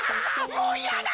もういやだ！